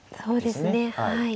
そうですねはい。